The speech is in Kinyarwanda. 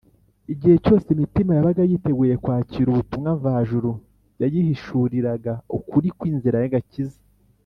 . Igihe cyose imitima yabaga yiteguye kwakira ubutumwa mvajuru, yayihishuriraga ukuri kw’inzira y’agakiza.